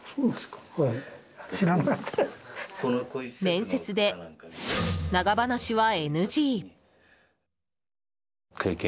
面接で長話はＮＧ！